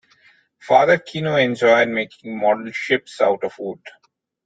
Father Kino enjoyed making model ships out of wood.